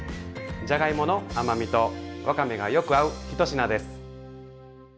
じゃがいもの甘みとわかめがよく合う一品です。